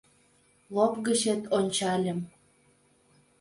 Лоп гычет ончальым -